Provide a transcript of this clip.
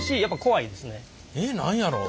えっ何やろ？